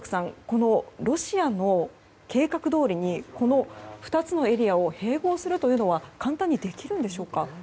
このロシアの計画どおりにこの２つのエリアを併合するというのは簡単にできるのでしょうか。